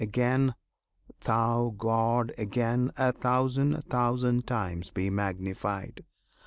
Again, Thou God! again A thousand thousand times be magnified!